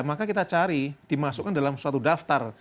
maka kita cari dimasukkan dalam suatu daftar